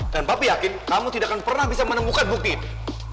dan papi yakin kamu tidak akan pernah bisa menemukan bukti itu